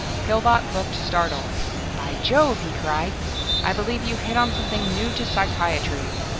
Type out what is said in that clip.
Pillbot looked startled. "By jove," he cried. "I believe you've hit on something new to psychiatry.